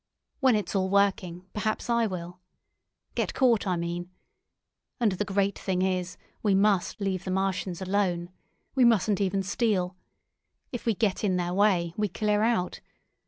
When it's all working, perhaps I will. Get caught, I mean. And the great thing is, we must leave the Martians alone. We mustn't even steal. If we get in their way, we clear out.